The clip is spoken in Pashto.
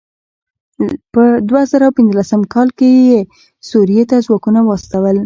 په دوه زره پنځلسم کال کې یې سوريې ته ځواکونه واستول.